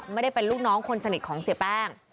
ไม่ได้เป็นลูกน้องคนสนิทของเสียแป้ง